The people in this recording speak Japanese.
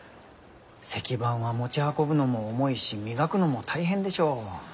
石版は持ち運ぶのも重いし磨くのも大変でしょう？